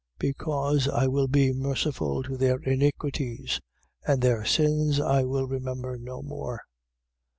Because I will be merciful to their iniquities: and their sins I will remember no more.